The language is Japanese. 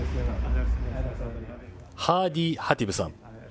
ハーディ・ハティブさん。